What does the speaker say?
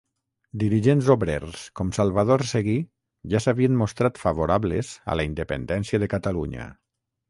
Dirigents obrers com Salvador Seguí ja s'havien mostrat favorables a la independència de Catalunya.